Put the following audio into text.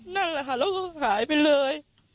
นั่นแหละค่ะแล้วก็หายไปเลย